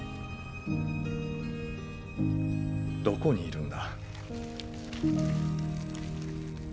どこにいるんだ？